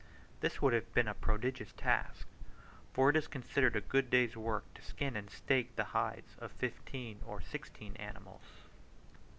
This would have been a prodigious task, for it is considered a good day's work to skin and stake the hides of fifteen or sixteen animals.